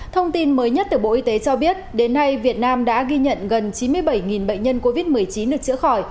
thông tin mới nhất từ bộ y tế cho biết đến nay việt nam đã ghi nhận gần chín mươi bảy bệnh nhân covid một mươi chín được chữa khỏi